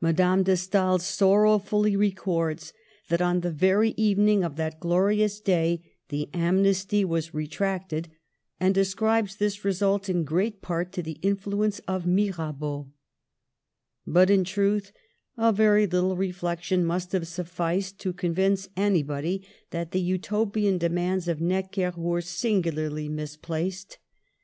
Madame de Stael sorrow fully records that on the very evening of that glo rious day the amnesty was retracted, and ascribes this result in great part to the influence of Mira beau. But, in truth, a very little reflection must have sufficed to convince anybody that the Uto pian demands of Necker were singularly mis (SO Digitized by VjOOQIC 52 , MADAME DE STAEL placed.